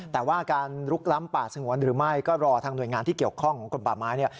แต่ว่าการลุกล้ำป่าสงวนหรือไม่ก็รอทางหน่วยงานที่เกี่ยวข้องกฎหมาย